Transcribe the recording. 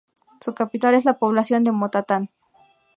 Su capital es la población de Motatán.